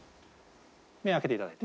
目開けていただいて。